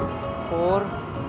pasti dia ngubah